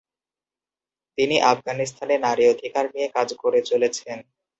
তিনি আফগানিস্তানে নারী অধিকার নিয়ে কাজ করে চলেছেন।